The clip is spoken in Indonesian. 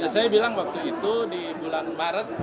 saya bilang waktu itu di bulan maret